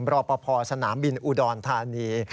รอปภสนามบินอุดรธานี